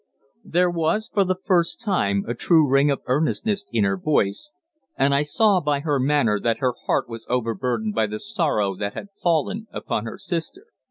There was for the first time a true ring of earnestness in her voice, and I saw by her manner that her heart was overburdened by the sorrow that had fallen upon her sister.